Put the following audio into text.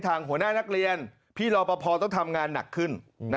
หัวหน้านักเรียนพี่รอปภต้องทำงานหนักขึ้น